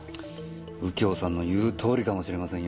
右京さんの言うとおりかもしれませんよ。